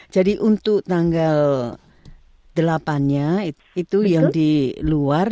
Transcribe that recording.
jadi untuk tanggal delapannya itu yang di luar